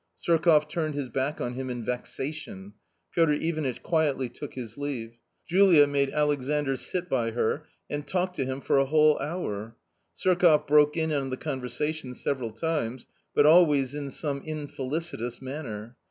Surkoff turned his back on him in vexation. Piotr Ivanitch quietly took his leave. Julia made Alexandr sit by her and talked to him for a whole hour. Surkoff broke in on the conversation several times, but always in some infelicitous manner.